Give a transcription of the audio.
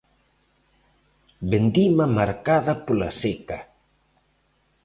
Vendima marcada pola seca.